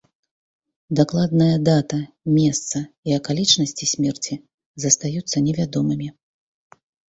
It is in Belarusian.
Дакладная дата, месца і акалічнасці смерці застаюцца невядомымі.